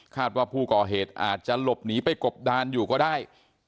ว่าผู้ก่อเหตุอาจจะหลบหนีไปกบดานอยู่ก็ได้